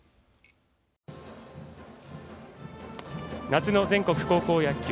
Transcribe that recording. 夏の全国高校野球。